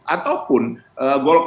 ataupun golkar yang sudah dalam perkembangan